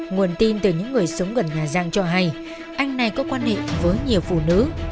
nguồn tin từ những người sống gần nhà giang cho hay anh này có quan hệ với nhiều phụ nữ